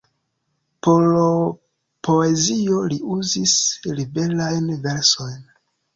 Por poezio li uzis liberajn versojn.